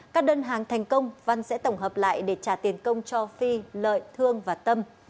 các đơn hàng thành công văn sẽ tổng hợp lại để trả tiền công cho phi lợi thương và tâm